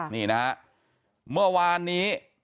นี่นะฮะเมื่อวานนี้